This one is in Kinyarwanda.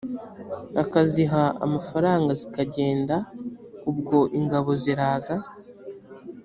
akaziha amafaranga zikagenda ubwo ingabo ziraza